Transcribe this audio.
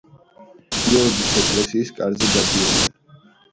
გიორგის ეკლესიის კარზე გადადიოდნენ.